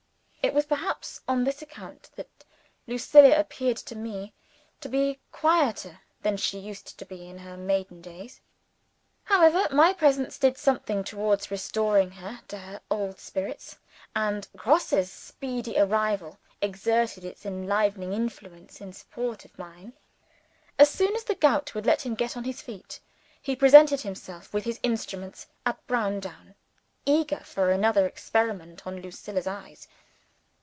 It was perhaps on this account, that Lucilla appeared to me to be quieter than she used to be in her maiden days. However, my presence did something towards restoring her to her old spirits and Grosse's speedy arrival exerted its enlivening influence in support of mine. As soon as the gout would let him get on his feet, he presented himself with his instruments, at Browndown, eager for another experiment on Lucilla's eyes.